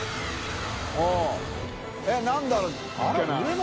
えっ何だろう？